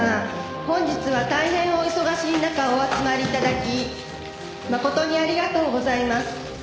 本日は大変お忙しい中お集まり頂き誠にありがとうございます。